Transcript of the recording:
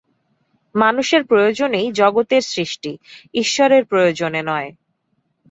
মানুষের প্রয়োজনেই জগতের সৃষ্টি, ঈশ্বরের প্রয়োজনে নয়।